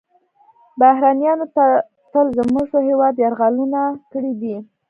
بهرنیانو تل زموږ په هیواد یرغلونه کړي دي